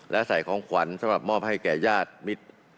และใส่ของขวัญสำหรับมอบให้แก่ญาติมิตร